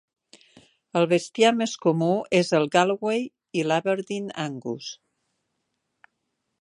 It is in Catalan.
El bestiar més comú és el Galloway i l'Aberdeen Angus.